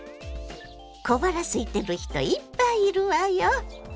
小腹すいてる人いっぱいいるわよ。